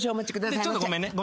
でちょっとごめんね。